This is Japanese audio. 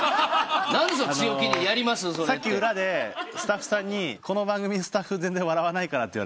さっき裏でスタッフさんにこの番組スタッフ全然笑わないからって言われて。